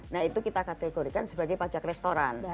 nah itu kita kategorikan sebagai pajak restoran